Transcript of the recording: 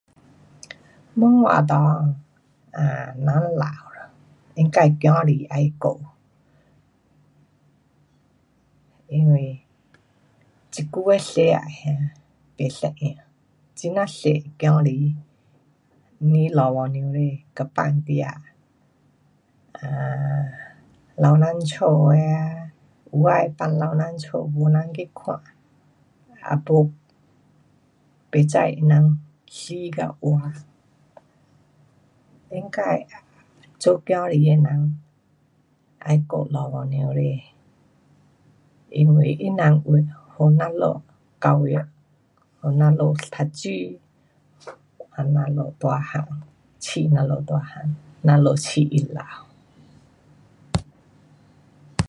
[unintelligible] 人老了因该孩子要顾，因为现在的世界不一样。很那多孩子不要父亲母亲，给放哪？ um 老人家的啊，有的放老人家没人去看，也没不知他们死和活。因该，做孩儿的人要顾父亲母亲。因为他人有给我们教育，给我们读书。给我们长大，喂我们长大。我们喂他老。